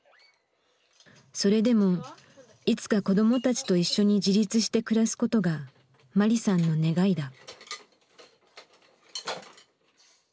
それでもいつか子どもたちと一緒に自立して暮らすことがマリさんの願いだ。